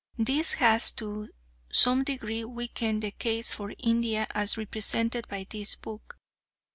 This has to some degree weakened the case for India as represented by this book.